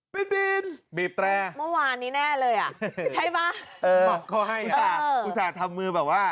บินบินบินตรงนี้แน่เลยอ่ะใช่ไหมบอกเขาให้อุตส่าห์ทำมือแบบว่า